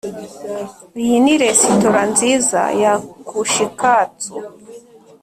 iyi ni resitora nziza ya kushikatsu